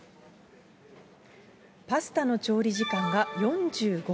パスタの調理時間が４５秒。